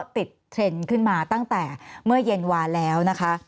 ติดเทรนด์ขึ้นมาตั้งแต่เมื่อเย็นหวานแล้ว